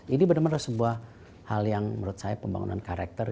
ini benar benar sebuah hal yang menurut saya pembangunan karakter